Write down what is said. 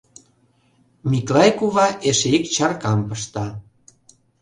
— Миклай кува эше ик чаркам пышта.